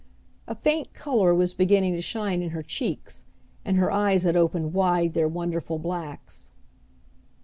A faint color was beginning to shine in her cheeks, and her eyes had opened wide their wonderful blacks.